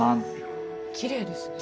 きれいですね。